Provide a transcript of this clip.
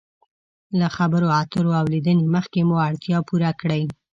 له خبرو اترو او لیدنې مخکې مو اړتیا پوره کړئ.